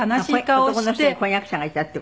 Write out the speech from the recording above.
男の人に婚約者がいたっていう事でね。